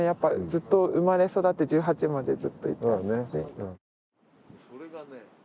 ずっと生まれ育って１８までずっといたので。